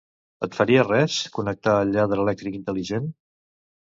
Et faria res connectar el lladre elèctric intel·ligent?